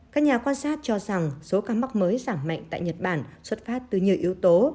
các nhà quan sát cho rằng số ca mắc mới giảm mạnh tại nhật bản xuất phát từ nhiều yếu tố